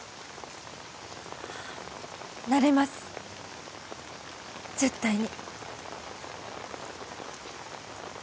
なれます絶対に。